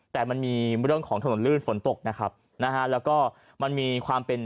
แต่มันมีเรื่องของถนนลื่นฝนตกนะครับนะฮะแล้วก็มันมีความเป็น